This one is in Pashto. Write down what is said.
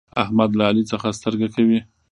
احمد له علي څخه سترګه کوي.